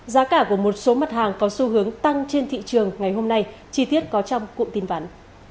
giá cả của một số mặt hàng có xu hướng tăng trên thị trường ngày hôm nay chi tiết có trong cụm tin vắn